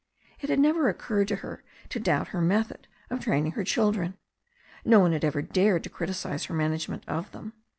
It had never occurred to her to doubt her method of training her children. No one had ever dared to criticise her management of them.